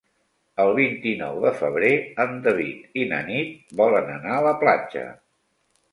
El vint-i-nou de febrer en David i na Nit volen anar a la platja.